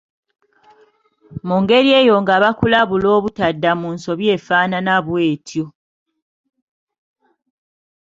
Mu ngeri eyo nga bakulabula obutadda mu nsobi efaananako bw’etyo.